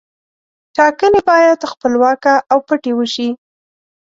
ټاکنې باید خپلواکه او پټې وشي.